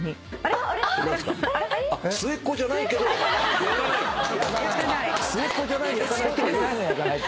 末っ子じゃないけど焼かない？